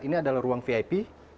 ini adalah ruang vip